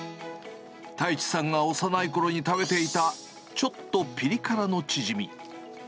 太地さんが幼いころに食べていた、ちょっとぴり辛のチヂミ。